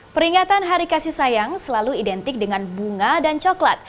peringatan hari kasih sayang selalu identik dengan bunga dan coklat